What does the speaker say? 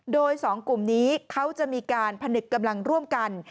โดย๒กลุ่มนี้เขาจะมีการผนึกกำลังร่วมกัน